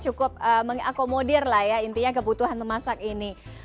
cukup mengakomodir lah ya intinya kebutuhan memasak ini